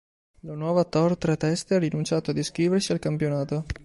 La Nuova Tor Tre Teste ha rinunciato ad iscriversi al campionato.